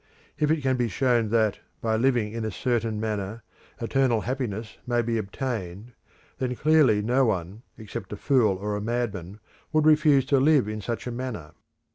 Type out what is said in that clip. If it can be shown that, by living in a certain manner, eternal happiness may be obtained, then clearly no one except a fool or a madman would refuse to live in such a manner.